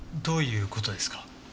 どういう事ですか？